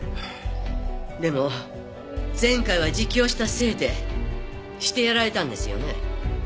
でも前回は自供したせいでしてやられたんですよね？